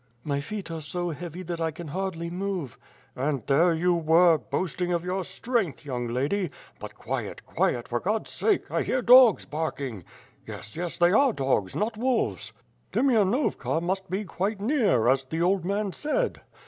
"My feet are so heavy that 1 can hardly move." "And there you were, boasting of your strength, young lady. But quiet, quiet, for God's sake, I hear dogs barking! Yes, yes, they are dogs, not wolves. Demianovka must be quite near, as the old man said.